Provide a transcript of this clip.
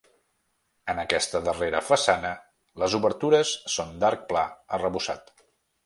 En aquesta darrera façana les obertures són d'arc pla arrebossat.